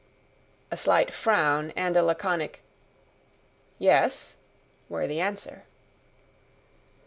A slight frown and a laconic "Yes," were the answer.